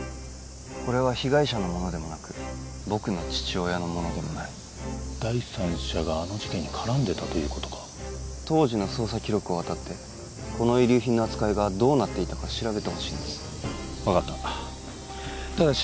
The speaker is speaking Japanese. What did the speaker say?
これは被害者のものでもなく僕の父親のものでもない第三者があの事件に絡んでたということか当時の捜査記録を当たってこの遺留品の扱いがどうなっていたか調べてほしいんです分かったただし